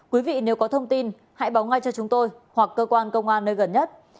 quý vị nếu có thông tin hãy báo ngay cho chúng tôi hoặc cơ quan công an nơi gần nhất